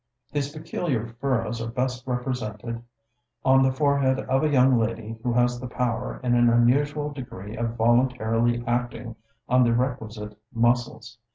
These peculiar furrows are best represented in fig. 3, Plate II., on the forehead of a young lady who has the power in an unusual degree of voluntarily acting on the requisite muscles.